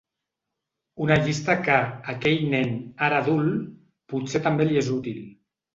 Una llista que, a aquell nen, ara adult, potser també li és útil.